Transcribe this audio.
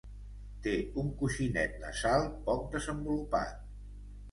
Té un coixinet nasal poc desenvolupat.